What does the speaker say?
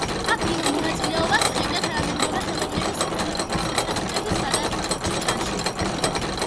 აქტიურ მონაწილეობას იღებდა თანამედროვე ხელოვნების პრობლემების საკითხების გადაჭრაში.